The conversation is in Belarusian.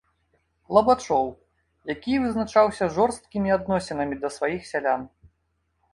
Лабачоў, які вызначаўся жорсткімі адносінамі да сваіх сялян.